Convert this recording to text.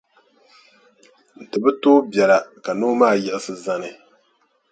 Di bi tooi biɛla ka noo maa yiɣisi zani.